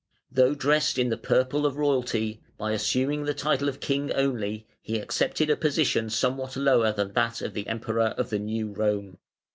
Though dressed in the purple of royalty, by assuming the title of King only, he accepted a position somewhat lower than that of the Emperor of the New Rome.